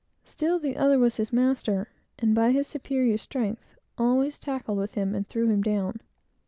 Still, the other was his master, and, by his superior strength, always tackled with him and threw him down.